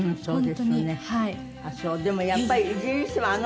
そうですよね。